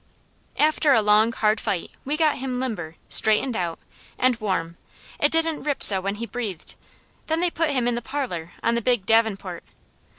After a long hard fight we got him limber, straightened out, and warm, it didn't rip so when he breathed, then they put him in the parlour on the big davenport.